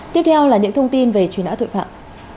tiếp theo là những thông tin về truy nã tội phạm